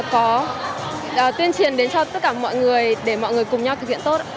có tuyên truyền đến cho tất cả mọi người để mọi người cùng nhau thực hiện tốt